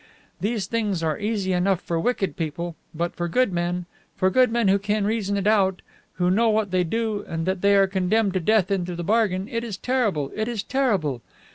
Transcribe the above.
These things are easy enough for wicked people, but for good men, for good men who can reason it out, who know what they do and that they are condemned to death into the bargain, it is terrible, it is terrible!